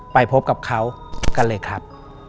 ไปพบกับเขากันเลยครับ